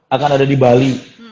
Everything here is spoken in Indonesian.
akan ada di bali